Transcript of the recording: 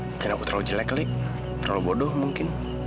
mungkin aku terlalu jelek nih terlalu bodoh mungkin